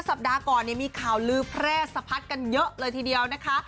สัปดาห์ก่อนมีข่าวลือแพร่สะพัดกันเยอะเลยทีเดียวนะคะ